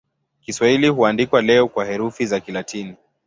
Kiswahili huandikwa leo kwa herufi za Kilatini.